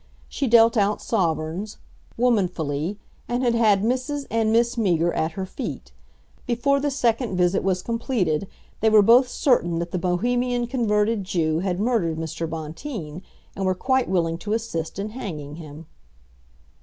She dealt out sovereigns womanfully, and had had Mrs. and Miss Meager at her feet. Before the second visit was completed they were both certain that the Bohemian converted Jew had murdered Mr. Bonteen, and were quite willing to assist in hanging him.